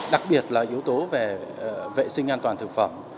đặc biệt là yếu tố về vệ sinh an toàn thực phẩm